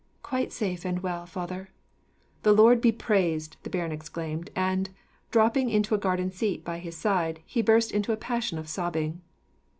"Quite safe and well, father." "The Lord be praised!" the baron exclaimed, and, dropping into a garden seat by his side, he burst into a passion of sobbing.